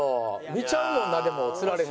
見ちゃうもんなでも釣られて。